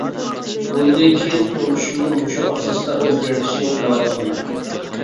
بۇندىن كىيىن تۇرمۇشۇمنى مۇشۇ ئاساستا ئۆزگەرتىشنى ئويلاۋاتىمەن.